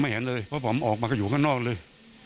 เห็นเลยเพราะผมออกมาก็อยู่ข้างนอกเลย